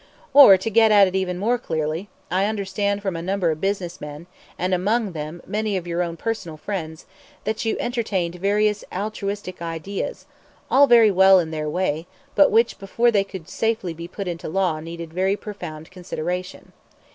Or, to get at it even more clearly, I understood from a number of business men, and among them many of your own personal friends, that you entertained various altruistic ideas, all very well in their way, but which before they could safely be put into law needed very profound consideration.